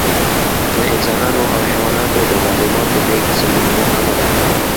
د انسانانو او حیواناتو د معلوماتو لېږد زموږ موخه نهده.